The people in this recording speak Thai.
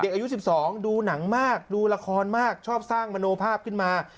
อายุ๑๒ดูหนังมากดูละครมากชอบสร้างมโนภาพขึ้นมา